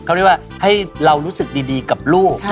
เขาเรียกว่าให้เรารู้สึกดีกับลูก